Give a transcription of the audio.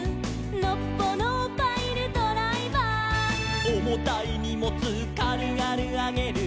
「のっぽのパイルドライバー」「おもたいにもつかるがるあげる」